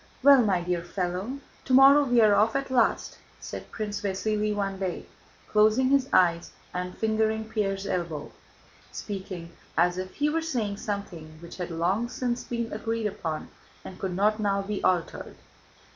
"Well, my dear fellow, tomorrow we are off at last," said Prince Vasíli one day, closing his eyes and fingering Pierre's elbow, speaking as if he were saying something which had long since been agreed upon and could not now be altered.